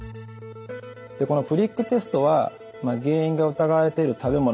このプリックテストは原因が疑われている食べ物